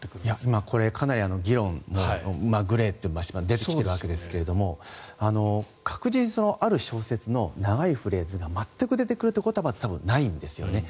今これ、かなり議論かなりグレーというか出てきているわけですが確実にある小説の長いフレーズが全く出てくるということはまず多分ないんですよね。